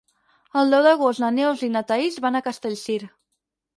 El deu d'agost na Neus i na Thaís van a Castellcir.